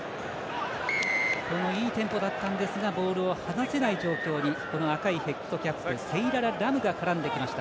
いいテンポだったんですがボールを放せない状況に赤いヘッドキャップセイララ・ラムが絡んできました。